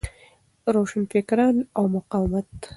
روشنفکران او مقاومت